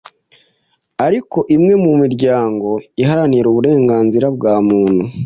Ariko imwe mu miryango iharanira uburenganzira bwa muntu